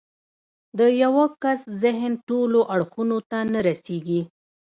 د يوه کس ذهن ټولو اړخونو ته نه رسېږي.